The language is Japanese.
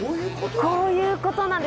こういうことなんです。